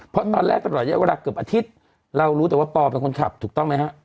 เพราะตอนแรกตลอดเวลาเกือบอาทิตย์เรารู้แต่ว่าปอเป็นคนขับถูกต้องไหมฮะ